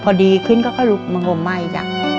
พอดีขึ้นก็ลุกมางมมาอีก